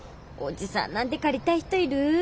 おじさんなんて借りたい人いる？